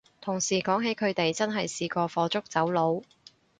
同事講起佢哋真係試過火燭走佬